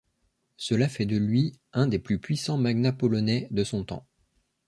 Cela fait de lui un des plus puissants magnats polonais de son temps.